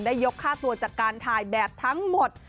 ยกค่าตัวจากการถ่ายแบบทั้งหมด